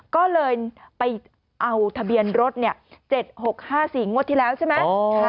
ก็เลยไปเอาทะเบียนรถ๗๖๕๔งวดที่แล้วใช่ไหม